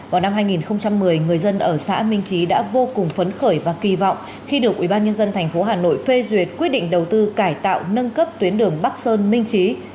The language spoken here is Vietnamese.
vào năm hai nghìn một mươi người dân ở xã minh trí đã vô cùng phấn khởi và kỳ vọng khi được ubnd tp hà nội phê duyệt quyết định đầu tư cải tạo nâng cấp tuyến đường bắc sơn minh trí